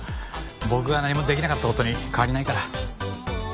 僕が何もできなかった事に変わりないから。